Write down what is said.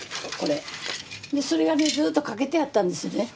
それがねずっとかけてあったんですね。